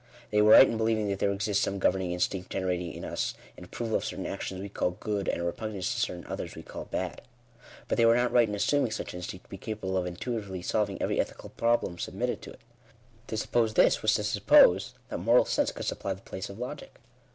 They were right in believing that there exists some governing instinct generating in us an approval of certain actions we call goody and a repugnance to certain others we call had. But they were not right in assuming such instinct to be capable of intuitively solving every ethical problem submitted to it. To suppose this, was to suppose that moral sense could supply the place of logic.